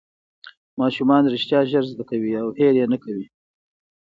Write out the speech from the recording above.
ماشومان رښتیا ژر زده کوي او هېر یې نه کوي